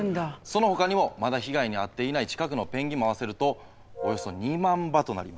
そのほかにもまだ被害に遭っていない近くのペンギンも合わせるとおよそ２万羽となります。